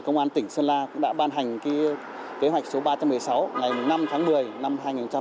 công an tỉnh sơn la cũng đã ban hành kế hoạch số ba trăm một mươi sáu ngày năm tháng một mươi năm hai nghìn một mươi chín